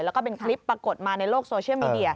แล้วก็เป็นคลิปปรากฏมาในโลกโซเชียลมีเดีย